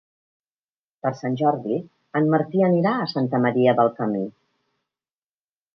Per Sant Jordi en Martí anirà a Santa Maria del Camí.